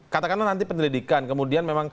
katakanlah nanti pendidikan